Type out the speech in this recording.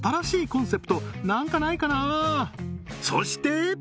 そして！